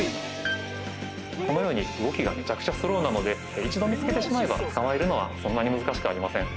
このように動きがめちゃくちゃスローなので、１度見つけてしまえば、捕まえるのはそんなに難